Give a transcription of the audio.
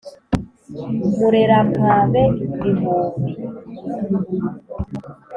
murerampabe, bihubi